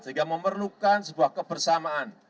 sehingga memerlukan sebuah kebersamaan